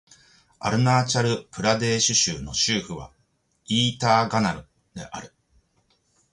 アルナーチャル・プラデーシュ州の州都はイーターナガルである